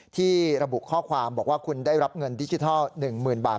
ที่ระบุข้อความบอกว่าคุณได้รับเงินดิจิทัล๑๐๐๐บาท